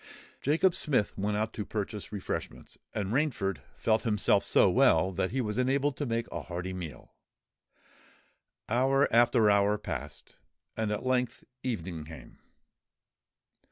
Jacob Smith went out to purchase refreshments; and Rainford felt himself so well that he was enabled to make a hearty meal. Hour after hour passed; and at length evening came.